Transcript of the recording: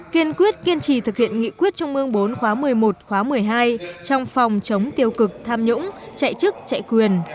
kiên quyết kiên trì thực hiện nghị quyết trung ương bốn khóa một mươi một khóa một mươi hai trong phòng chống tiêu cực tham nhũng chạy chức chạy quyền